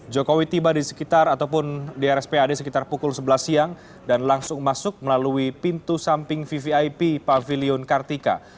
jokowi tiba di sekitar ataupun di rspad sekitar pukul sebelas siang dan langsung masuk melalui pintu samping vvip pavilion kartika